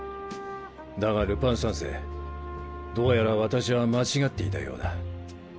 だがルパン三世どうやら私は間違っていたようだ。